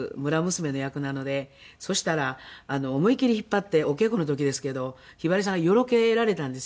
そしたら思いきり引っ張ってお稽古の時ですけどひばりさんがよろけられたんですよ。